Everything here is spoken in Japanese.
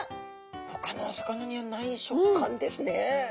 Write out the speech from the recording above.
ほかのお魚にはない食感ですね。